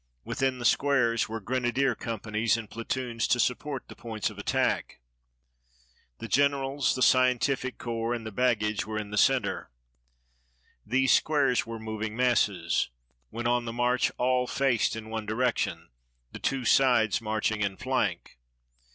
Within the squares were grenadier companies in platoons to support the points of attack. The generals, the scientific corps, and the baggage were in the center. These squares were moving masses. When on the march, all faced in one direction, the two sides marching in flank.